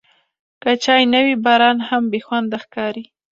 که چای نه وي، باران هم بېخونده ښکاري.